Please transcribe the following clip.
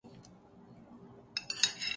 ہوائی جہاز نے اڑان بھری